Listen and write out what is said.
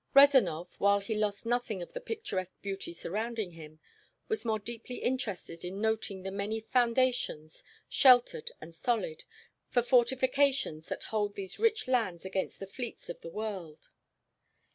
Rezanov, while he lost nothing of the picturesque beauty surrounding him, was more deeply interested in noting the many foundations, sheltered and solid, for fortifications that would hold these rich lands against the fleets of the world.